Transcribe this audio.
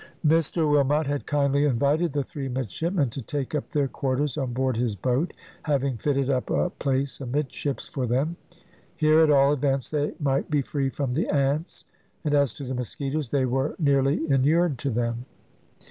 Mr Wilmot had kindly invited the three midshipmen to take up their quarters on board his boat, having fitted up a place amidships for them; here, at all events, they might be free from the ants; and as to the mosquitoes, they were nearly inured to them.